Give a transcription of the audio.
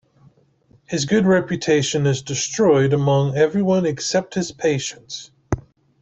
His good reputation is destroyed among everyone except his patients.